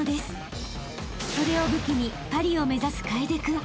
［それを武器にパリを目指す楓君］